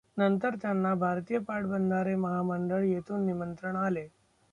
नंतर त्यांना भारतीय पाटबंधारे महामंडळ येथून निमंत्रण आले.